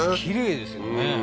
きれいですよね